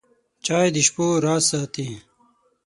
چای د شپو راز ساتي.